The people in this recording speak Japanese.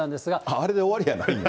あれで終わりやないんや。